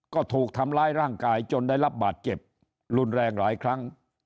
ก็ถูกทำร้ายร่างกายจนได้รับบาดเจ็บรุนแรงหลายครั้ง